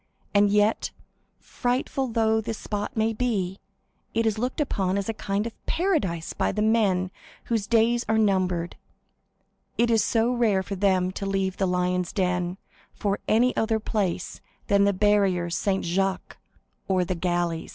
And yet, frightful though this spot may be, it is looked upon as a kind of paradise by the men whose days are numbered; it is so rare for them to leave the Lions' Den for any other place than the barrier Saint Jacques, the galleys!